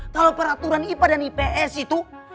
kalau peraturan ipa dan ips itu